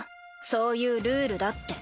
そういうルールだって。